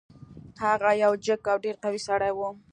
هغه یو جګ او ډیر قوي سړی و.